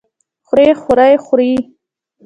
خوري خورۍ خورې؟